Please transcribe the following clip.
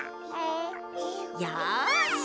よし！